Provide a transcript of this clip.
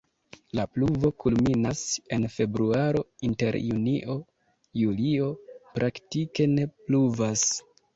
La pluvo kulminas en februaro, inter junio-julio praktike ne pluvas.